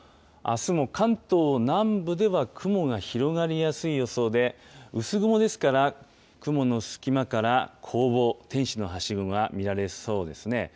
あすも関東南部では雲が広がりやすい予想で、薄雲ですから、雲の隙間からこうぼう、天使のはしごが見られそうですね。